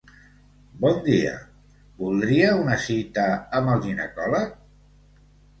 Bon dia, voldria una cita amb el ginecòleg?